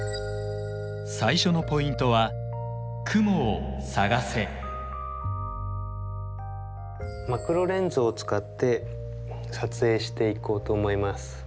最初のポイントはマクロレンズを使って撮影していこうと思います。